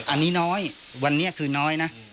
อันนี้น้อยวันนี้คือน้อยนะ